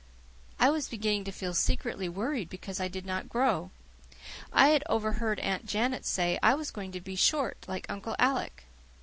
I was beginning to feel secretly worried because I did not grow. I had overheard Aunt Janet say I was going to be short, like Uncle Alec.